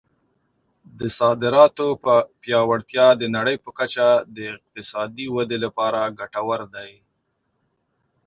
د صادراتو پیاوړتیا د نړۍ په کچه د اقتصادي ودې لپاره ګټور دی.